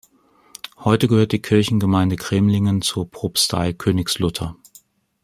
Heute gehört die Kirchengemeinde Cremlingen zur Propstei Königslutter.